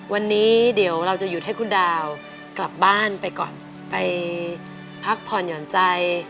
วันนี้เดี๋ยวเราจะหยุดให้คุณดาวกลับบ้านไปก่อนไปพักผ่อนหย่อนใจ